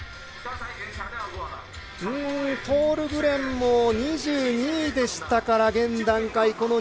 トールグレンも２２位でしたから現段階で。